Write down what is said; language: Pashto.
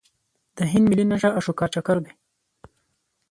د هند ملي نښه اشوکا چکر دی.